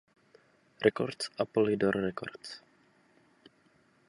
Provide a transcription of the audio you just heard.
Records a Polydor Records.